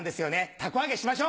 凧揚げしましょ。